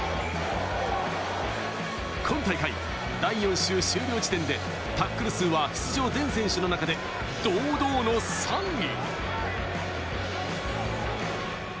今大会、第４週終了時点でタックル数は出場全選手の中で堂々の３位。